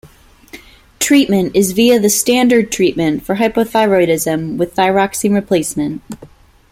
Treatment is via the standard treatment for hypothyroidism with thyroxine replacement.